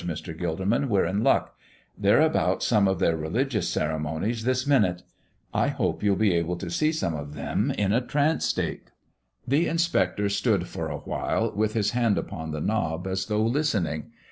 Mr. Gilderman, we're in luck; they're about some of their religious ceremonies this minute. I hope you'll be able to see some of them in a trance state." The inspector stood for a while with his hand upon the knob as though listening.